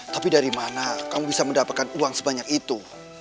tapi dari mana kamu bisa mendapatkan uang sebanyak itu